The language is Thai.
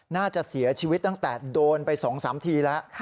น่าจะเสียชีวิตตั้งแต่โดนไป๒๓ทีแล้ว